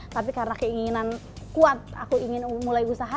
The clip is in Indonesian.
tapi karena keinginan kuat aku ingin mulai usaha